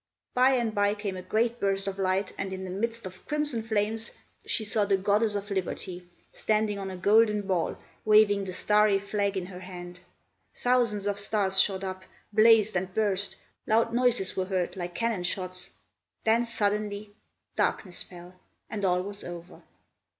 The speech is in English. By and by came a great burst of light, and in the midst of crimson flames she saw the Goddess of Liberty, standing on a golden ball, waving the starry flag in her hand: thousands of stars shot up, blazed and burst; loud noises were heard, like cannon shots; then, suddenly, darkness fell, and all was over.